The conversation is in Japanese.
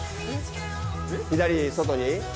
左外に。